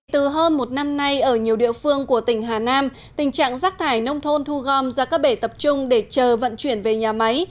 từ hơn một năm nay ở nhiều địa phương của tỉnh hà nam tình trạng rác thải nông thôn thu gom ra các bể tập trung để chờ vận chuyển về nhà máy